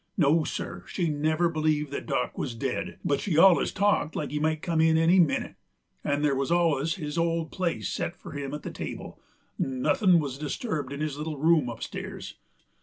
No, sir; she never believed that Dock wuz dead, but she allus talked like he might come in any minnit; and there wuz allus his old place set fur him at the table 'nd nuthin' wuz disturbed in his little room up stairs.